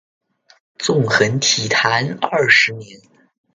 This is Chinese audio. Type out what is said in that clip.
纵横体坛二十年。